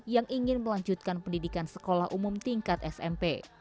yang ingin melanjutkan pendidikan sekolah umum tingkat smp